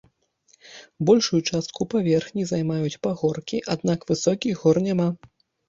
Большую частку паверхні займаюць пагоркі, аднак высокіх гор няма.